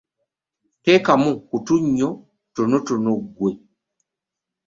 Teekamu otunnyo tutonotono ggwe.